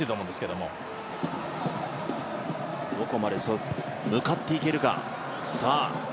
どこまで向かっていけるか。